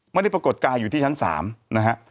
ปรากฏกายอยู่ที่ชั้น๓นะฮะ